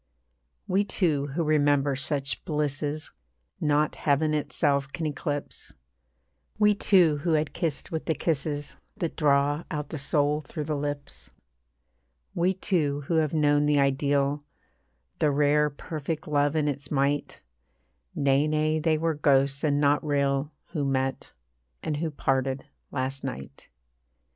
We two who remember such blisses Not heaven itself can eclipse, We two who had kissed with the kisses That draw out the soul through the lips, We two who have known the ideal, The rare perfect love in its might Nay, nay, they were ghosts, and not real, Who met, and who parted, last night.